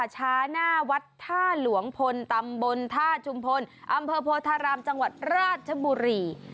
หน้าวัดท่าหลวงพลตำบลท่าชุมพลอำเภอโพธารามจังหวัดราชบุรี